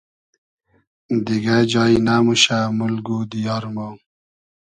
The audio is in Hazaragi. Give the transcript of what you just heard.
دیگۂ جای نئموشۂ مولگ و دیار مۉ